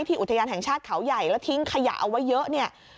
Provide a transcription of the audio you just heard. อุทยานแห่งชาติเขาใหญ่แล้วทิ้งขยะเอาไว้เยอะเนี่ย